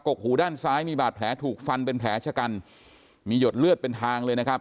กหูด้านซ้ายมีบาดแผลถูกฟันเป็นแผลชะกันมีหยดเลือดเป็นทางเลยนะครับ